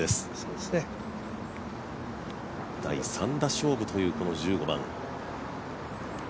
第３打勝負というこの１５番。